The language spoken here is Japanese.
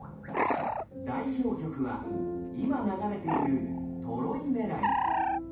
代表曲は今流れている『トロイメライ』